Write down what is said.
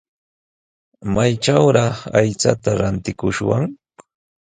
¿Maytrawraq aychata rantikushwan?